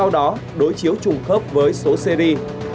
đối chiếu trùng khớp với số seri